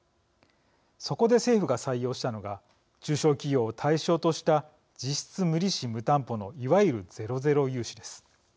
そこで政府が採用したのが中小企業を対象とした実質無利子、無担保のいわゆるゼロゼロ融資です。